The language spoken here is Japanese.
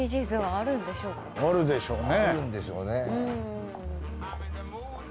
あるんでしょうね。